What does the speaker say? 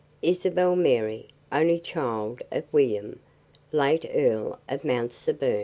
Isabel Mary, only child of William, late Earl of Mount Severn."